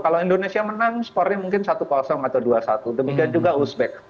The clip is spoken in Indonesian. kalau indonesia menang skornya mungkin satu atau dua satu demikian juga uzbek